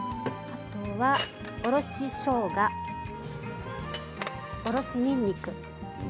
おろししょうが、おろしにんにく。